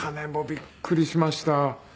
びっくりしました。